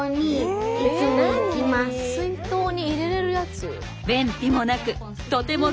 水筒に入れれるやつ？